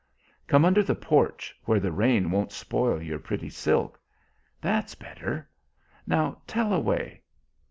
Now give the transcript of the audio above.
"Come under the porch, where the rain won't spoil your pretty silk. That's better. Now tell away."